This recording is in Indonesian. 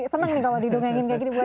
senang kalau didongengin